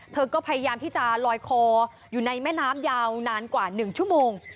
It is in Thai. เธอก็พยายามที่จะลอยคออยู่ในแม่น้ำยาวนานกว่า๑ชั่วโมง